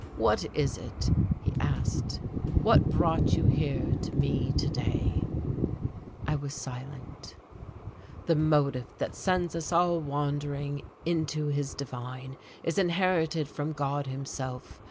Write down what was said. "What is it," he asked, "that brought you here to me, to day?" I was silent. "The motive, Paret the motive that sends us all wandering into is divine, is inherited from God himself.